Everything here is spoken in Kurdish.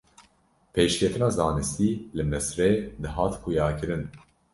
Pêşketina zanistî li Misrê dihat xuyakirin.